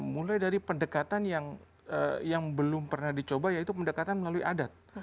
mulai dari pendekatan yang belum pernah dicoba yaitu pendekatan melalui adat